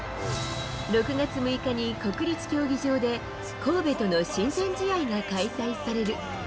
６月６日に国立競技場で、神戸との親善試合が開催される。